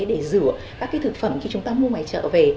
để rửa các cái thực phẩm khi chúng ta mua ngoài chợ về